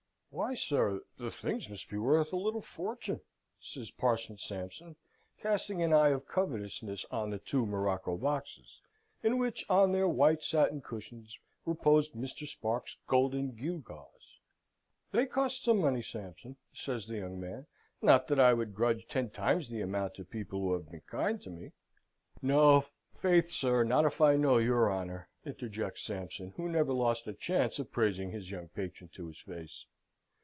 "Why, sir, the things must be worth a little fortune!" says Parson Sampson, casting an eye of covetousness on the two morocco boxes, in which, on their white satin cushions, reposed Mr. Sparks's golden gewgaws. "They cost some money, Sampson," says the young man. "Not that I would grudge ten times the amount to people who have been kind to me." "No, faith, sir, not if I know your honour!" interjects Sampson, who never lost a chance of praising his young patron to his face.